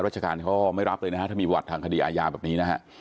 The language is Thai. ราชการเขาก็ไม่รับเลยนะถ้ามีวัตถ์ทางคดีอาญาแบบนี้นะครับ